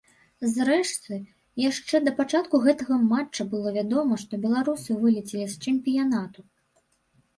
Зрэшты, яшчэ да пачатку гэтага матча было вядома, што беларусы вылецелі з чэмпіянату.